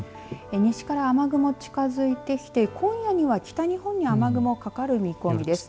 西から雨雲、近づいてきて今夜には北日本に雨雲かかる見込みです。